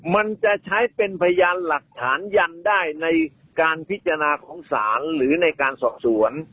มันจะใช้เป็นพยานหลักฐานยันได้ในการพิจารณาของศาลหรือในการสอบสวน